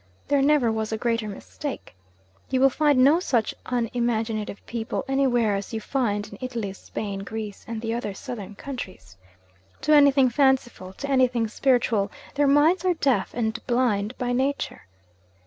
There never was a greater mistake. You will find no such unimaginative people anywhere as you find in Italy, Spain, Greece, and the other Southern countries. To anything fanciful, to anything spiritual, their minds are deaf and blind by nature.